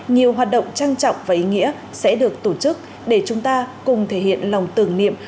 nhiều hoạt động trang trọng và ý nghĩa sẽ được tổ chức để chúng ta cùng thể hiện lòng tưởng niệm